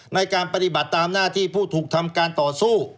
ในการปฏิบัติตามหน้าที่ผู้ถูกทำการต่อสู้